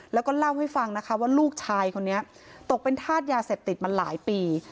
แล้วก็เล่าให้ฟังนะคะว่าลูกชายคนนี้ตกเป็นธาตุยาเสพติดมาหลายปี